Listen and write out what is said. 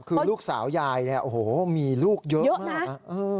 คือลูกสาวยายเนี่ยโอ้โหมีลูกเยอะมากนะ